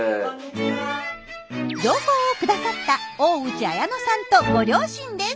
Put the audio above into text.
情報を下さった大内綾乃さんとご両親です。